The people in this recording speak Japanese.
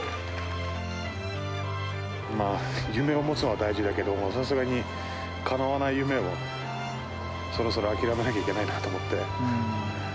夢を持つのは大事だけど、さすがにかなわない夢を、そろそろ諦めなきゃいけないなと思って。